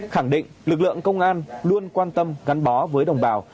khẳng định lực lượng công an luôn quan tâm gắn bó với đồng bào